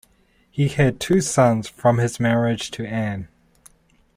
He had two sons from his marriage to Anne.